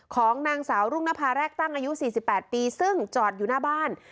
ของนางสาวรุ่งนภาแรกตั้งอายุ๔๘ปีซึ่งจอดอยู่หน้าบ้าน